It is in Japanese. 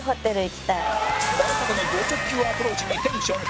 まさかのド直球アプローチにテンション崩壊！？